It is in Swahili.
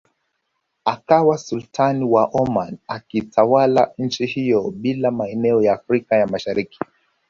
Akawa Sultani wa Oman akitawala nchi hiyo bila maeneo ya Afrika ya Mashariki